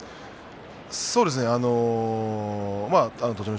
そうですね栃ノ